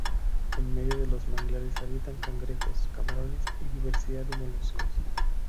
En medio de los manglares habitan cangrejos, camarones y diversidad de moluscos.